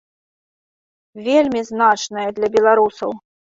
Вельмі значная для беларусаў.